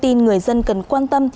thông tin người dân cần quan tâm